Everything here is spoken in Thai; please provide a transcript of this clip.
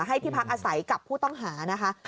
ให้ที่พักอาศัยกับผู้ต้องหานะคะ